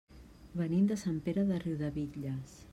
Venim de Sant Pere de Riudebitlles.